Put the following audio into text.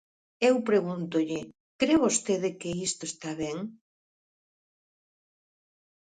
Eu pregúntolle, ¿cre vostede que isto está ben?